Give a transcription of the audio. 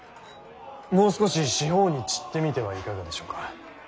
もう少し四方に散ってみてはいかがでしょうか。